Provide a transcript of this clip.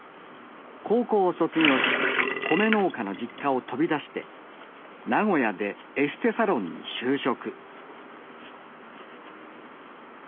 高校を卒業し米農家の実家を飛び出して名古屋でエステサロンに就職。